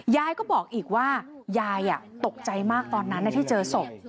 ยายก็บอกอีกว่ายายตกใจมากตอนนั้นที่เจอศพ